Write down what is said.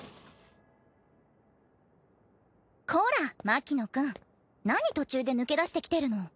こら牧野くん！なに途中で抜け出してきてるの。